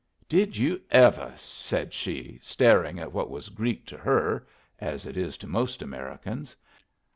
"Did you ever!" said she, staring at what was Greek to her as it is to most Americans.